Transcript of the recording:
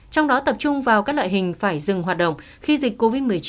trong đó tập trung vào các loại hình phải dừng hoạt động khi dịch covid một mươi chín